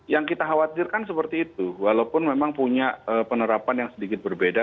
yang kita khawatirkan seperti itu walaupun memang punya penerapan yang sedikit berbeda